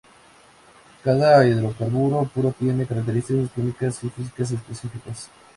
Cada hidrocarburo puro tiene características químicas y físicas específicas.